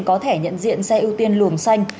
có thẻ nhận diện xe ưu tiên luồng xanh